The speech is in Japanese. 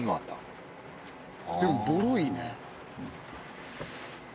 でもボロいね。